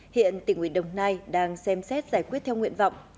hiện tỉnh nguyễn đồng nai đang xem xét giải quyết theo nguyện vọng